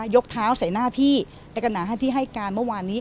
ยกเท้าใส่หน้าพี่ในขณะที่ให้การเมื่อวานนี้